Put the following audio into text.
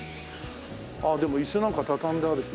ああでも椅子なんか畳んである。